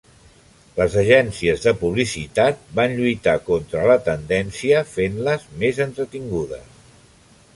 Les agències de publicitat van lluitar contra la tendència fent-les més entretingudes.